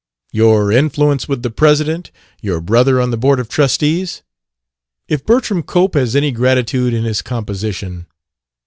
Your influence with the president, your brother on the board of trustees ... If Bertram Cope has any gratitude in his composition...."